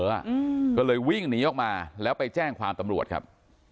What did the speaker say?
อืมก็เลยวิ่งหนีออกมาแล้วไปแจ้งความตำรวจครับ